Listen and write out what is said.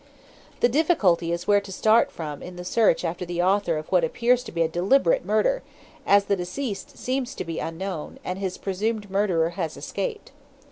"The difficulty is where to start from in the search after the author of what appears to be a deliberate murder, as the deceased seems to be unknown, and his presumed murderer has escaped.